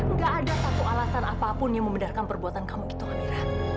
enggak ada satu alasan apapun yang membedarkan perbuatan kamu gitu amira